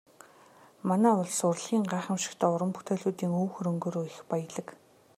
Манай улс урлагийн гайхамшигтай уран бүтээлүүдийн өв хөрөнгөөрөө их баялаг.